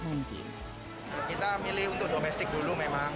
kita milih untuk domestik dulu memang